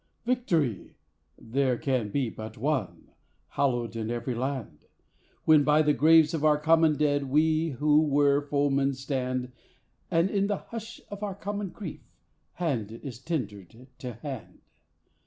Victory! there can be but one, hallowed in every land: When by the graves of our common dead we who were foemen stand; And in the hush of our common grief hand is tendered to hand.